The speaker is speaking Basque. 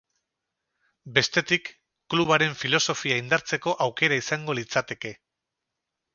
Bestetik, klubaren filosofia indartzeko aukera izango litzateke.